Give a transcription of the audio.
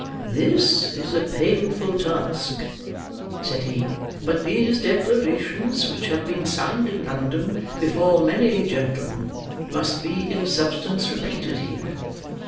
"This is a painful task," said he, "but these declarations, which have been signed in London before many gentlemen, must be in substance repeated here.